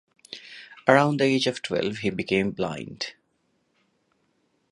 Around the age of twelve he became blind.